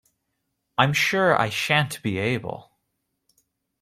I’m sure I shan’t be able!